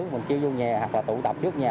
mình kêu vô nhà hoặc là tụ tập trước nhà